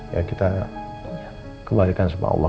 ya kita kembalikan sama allah